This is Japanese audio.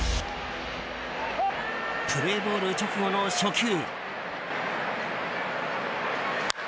プレーボール直後の初球。